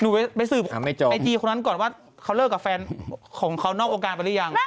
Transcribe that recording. ไปสืบไอจีคนนั้นก่อนว่าเขาเลิกกับแฟนของเขานอกวงการไปหรือยัง